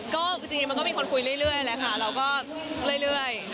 ก็จริงมันก็มีคนคุยเรื่อยแหละค่ะเราก็เรื่อย